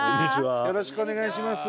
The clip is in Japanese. よろしくお願いします。